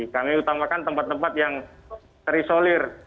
kami utamakan tempat tempat yang terisolir